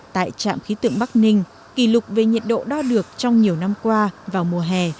tại trạm khí tượng bắc ninh kỷ lục về nhiệt độ đo được trong nhiều năm qua vào mùa hè